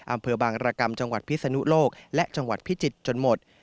อำเภอบางรกรรมจังหวัดพิศนุโลกและจังหวัดพิจิตรจนหมด